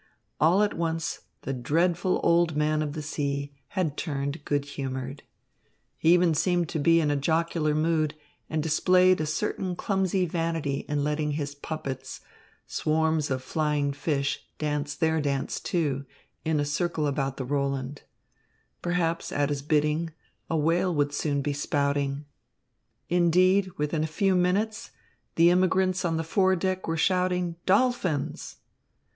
All at once the dreadful old man of the sea had turned good humoured. He even seemed to be in a jocular mood and displayed a certain clumsy vanity in letting his puppets, swarms of flying fish, dance their dance, too, in a circle about the Roland. Perhaps, at his bidding, a whale would soon be spouting. Indeed, within a few minutes, the immigrants on the fore deck were shouting, "Dolphins!"